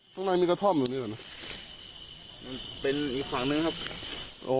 ด้านในมีกระท่อมตรงนี้เหรอเป็นอีกฝั่งหนึ่งครับโอ้